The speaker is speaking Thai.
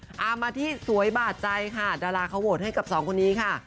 เอามาที่สวยบาดใจค่ะดาราเขาโหวตให้กับสองคนนี้ค่ะ